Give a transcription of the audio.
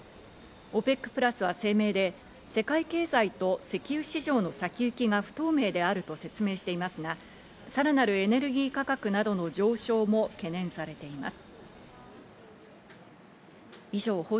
ＯＰＥＣプラスは声明で、世界経済と石油市場の先行きが不透明であると説明していますが、さらなるエネルギー価格などの上昇も懸念されています。